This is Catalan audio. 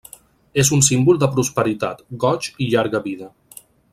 És un símbol de prosperitat, goig i llarga vida.